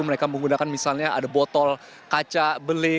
mereka menggunakan misalnya ada botol kaca beli